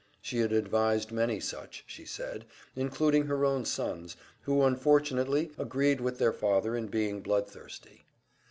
She had advised many such, she said, including her own sons, who unfortunately agreed with their father in being blood thirsty.